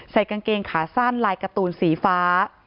กางเกงขาสั้นลายการ์ตูนสีฟ้า